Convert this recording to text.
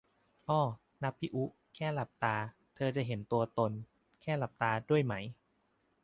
อ้อ นับพี่อุ๊ แค่หลับตา เธอจะเห็นตัวตน แค่หลับตา ด้วยไหม